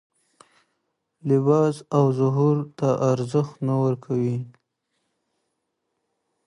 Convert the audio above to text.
لباس او ظاهر ته ارزښت نه ورکوي